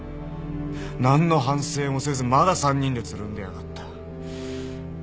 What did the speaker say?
何の反省もせずまだ３人でつるんでやがった。